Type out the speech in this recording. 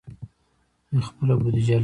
دوی خپله بودیجه لري.